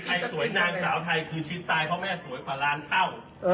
สวยนางสาวไทยคือชิ้นสไตล์เพราะแม่สวยกว่าร้านเช่า